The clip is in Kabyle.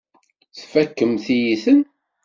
Tfakemt-iyi-ten.